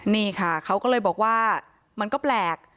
นี่ค่ะเขาก็เลยบอกว่ามันก็แปลก